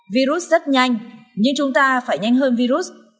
virus rất nhanh nhưng chúng ta phải nhanh hơn virus